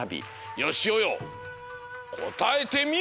よしおよこたえてみよ！